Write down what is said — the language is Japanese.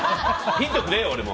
ヒントくれよ、俺も。